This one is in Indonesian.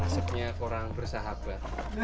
asapnya kurang bersahabat